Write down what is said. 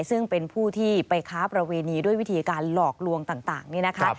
ซึ่งเป็นผู้ที่ไปค้าประเวณีด้วยวิธีการหลอกลวงต่างนี่นะคะ